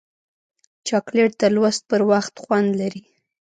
چاکلېټ د لوست پر وخت خوند لري.